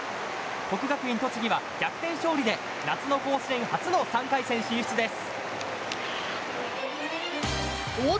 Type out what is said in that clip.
国学院栃木は逆転勝利で夏の甲子園初の３回戦進出です。